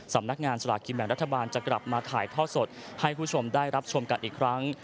สำนักงานสลากกินแบ่งรัฐบาลจะกลับมาถ่ายทอดสดให้ผู้ชมได้รับชมกันอีกครั้ง